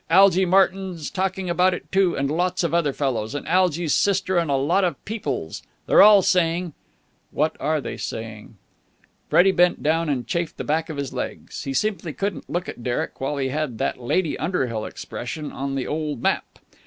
"Algy Martyn's talking about it, too. And lots of other fellows. And Algy's sister and a lot of peoples They're all saying...." "What are they saying?" Freddie bent down and chafed the back of his legs. He simply couldn't look at Derek while he had that Lady Underhill expression on the old map.